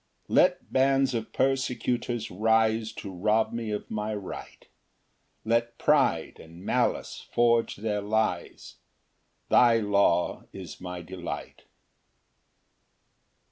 5 Let bands of persecutors rise To rob me of my right, Let pride and malice forge their lies, Thy law is my delight.